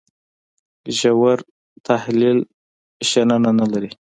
ژور تحلیل شننه نه لري.